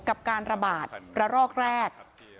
กับการระบาดระรอกแรก